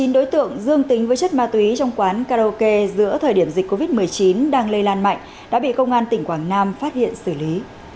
chín đối tượng dương tính với chất ma túy trong quán karaoke giữa thời điểm dịch covid một mươi chín đang lây lan mạnh đã bị công an tỉnh quảng nam phát hiện xử lý